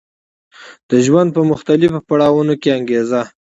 د ژوند په مختلفو پړاوونو کې انګېزه